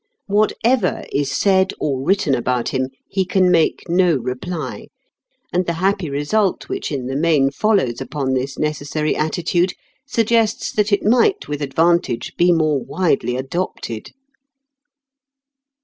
Whatever is said or written about him, he can make no reply, and the happy result which in the main follows upon this necessary attitude suggests that it might with advantage be more widely adopted.